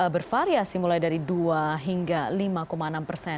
bervariasi mulai dari dua hingga lima enam persen